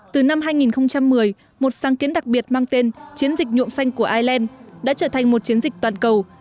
từ năm hai nghìn một mươi một sáng kiến đặc biệt mang tên chiến dịch nhuộm xanh của ireland đã trở thành một chiến dịch toàn cầu